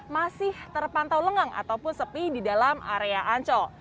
masih terpantau lengang ataupun sepi di dalam area ancol